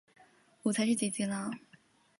我才是姊姊啦！